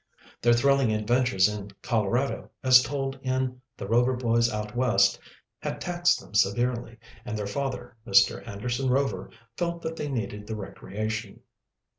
Their thrilling adventures in Colorado, as told in "The Rover Boys Out West," had taxed them severely, and their father, Mr. Anderson Rover, felt that they needed the recreation.